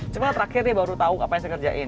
cuma terakhir dia baru tahu apa yang saya kerjain